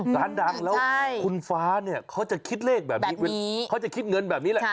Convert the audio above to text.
ร้านดังแล้วคุณฟ้าเนี่ยเขาจะคิดเลขแบบนี้เขาจะคิดเงินแบบนี้แหละ